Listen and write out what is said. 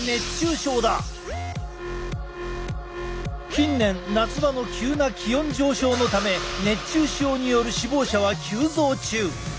近年夏場の急な気温上昇のため熱中症による死亡者は急増中！